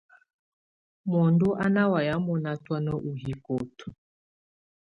Muǝndù á ná wayɛ̀ mɔnà tɔ̀́na ù hikoto.